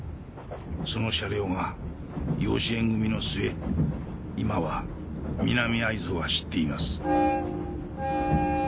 その車両が養子縁組みの末今は南会津を走っています